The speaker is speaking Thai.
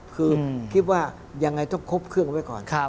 คือคิดว่ายังไงต้องครบเครื่องไว้ก่อน